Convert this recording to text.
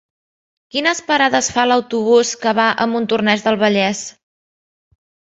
Quines parades fa l'autobús que va a Montornès del Vallès?